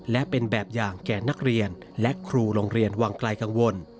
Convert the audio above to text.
และเป็นแบบอย่างแก่นักเรียนและครูโรงเรียนวังไกลกังวล